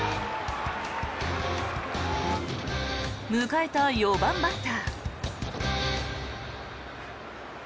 迎えた４番バッター。